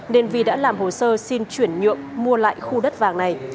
nên vi đã làm hồ sơ xin chuyển nhượng mua lại khu đất vàng này